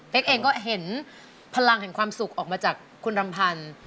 เองก็เห็นพลังแห่งความสุขออกมาจากคุณรำพันธ์